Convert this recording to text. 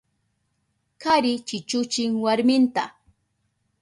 Kari chichuchin warminta.